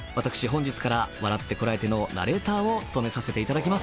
本日から『笑ってコラえて！』のナレーターを務めさせていただきます